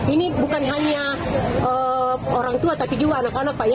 ini bukan hanya orang tua tapi juga anak anak pak ya